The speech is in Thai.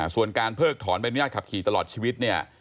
ส่วนการเพิกถอนใบอนุญาตขับขี่ตลอดชีวิตเนี่ย